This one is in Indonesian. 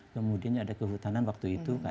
kemudian ada kehutanan waktu itu